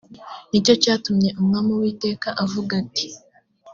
ni cyo cyatumye umwami uwiteka avuga ati